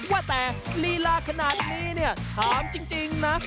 ว่าแต่ลีลาขนาดนี้เนี่ยถามจริงนะ